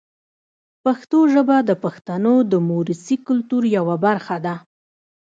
پښتو ژبه د پښتنو د موروثي کلتور یوه برخه ده.